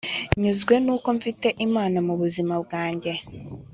nyuzwe nuko mfite Imana mu buzima bwanjye